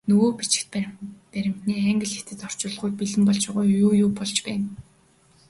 Нөгөө бичиг баримтын англи, хятад орчуулгууд бэлэн болж байгаа юу, юу болж байна?